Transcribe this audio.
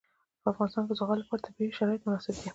په افغانستان کې د زغال لپاره طبیعي شرایط مناسب دي.